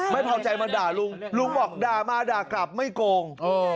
ไม่พอใจมาด่าลุงลุงบอกด่ามาด่ากลับไม่โกง